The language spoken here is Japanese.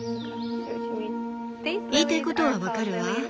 言いたいことは分かるわ。